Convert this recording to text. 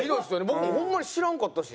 僕もホンマに知らんかったし。